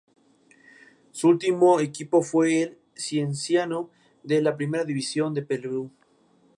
Su último equipo fue el Cienciano de la Primera División del Perú.